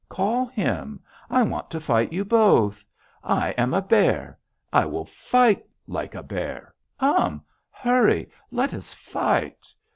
Call him. I want to fight you both. I am a bear. I fight like a bear. Come! Hurry! Let us fight.